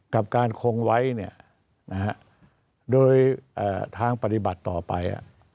กับการคงไว้โดยทางปฏิบัติต่อไป